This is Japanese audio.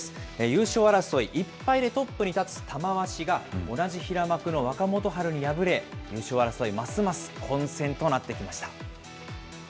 優勝争い、１敗でトップに立つ玉鷲が同じ平幕の若元春に敗れ、優勝争い、ますます混戦となってきました。